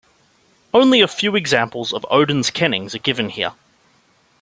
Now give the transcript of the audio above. Only a few examples of Odin's kennings are given here.